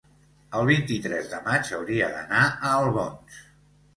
el vint-i-tres de maig hauria d'anar a Albons.